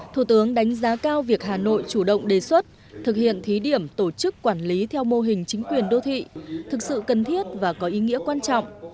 thủ tướng đánh giá cao việc hà nội chủ động đề xuất thực hiện thí điểm tổ chức quản lý theo mô hình chính quyền đô thị thực sự cần thiết và có ý nghĩa quan trọng